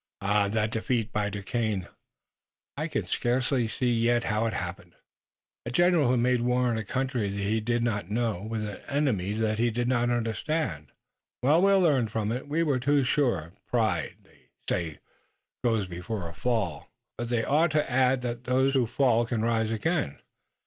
Ah, that defeat by Duquesne! I scarcely see yet how it happened!" "A general who made war in a country that he did not know, with an enemy that he did not understand." "Well, we'll learn from it. We were too sure. Pride, they say, goes before a fall, but they ought to add that those who fall can rise again.